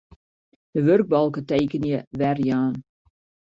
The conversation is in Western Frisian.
De wurkbalke Tekenje werjaan.